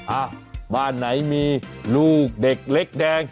อ่ะบ้านไหนมีลูกเด็กเล็กแดง